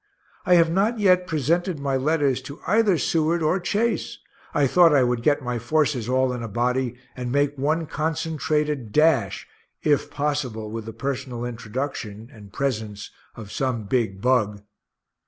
I have not yet presented my letters to either Seward or Chase I thought I would get my forces all in a body, and make one concentrated dash, if possible with the personal introduction and presence of some big bug.